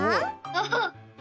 アハッ！